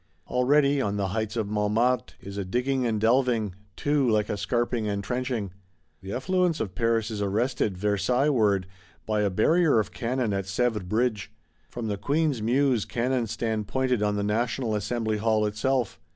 Already, on the heights of Montmartre, is a digging and delving; too like a scarping and trenching. The effluence of Paris is arrested Versailles ward by a barrier of cannon at Sèvres Bridge. From the Queen's Mews, cannon stand pointed on the National Assembly Hall itself.